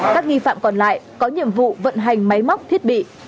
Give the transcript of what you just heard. các nghi phạm còn lại có nhiệm vụ vận hành máy móc thiết bị